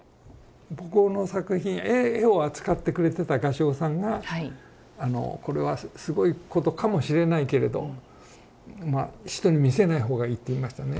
僕の作品絵を扱ってくれてた画商さんが「これはすごいことかもしれないけれど人に見せない方がいい」と言いましたね。